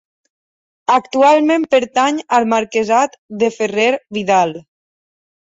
Actualment pertany al marquesat de Ferrer-Vidal.